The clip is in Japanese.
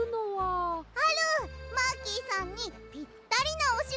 マーキーさんにぴったりなおしごと！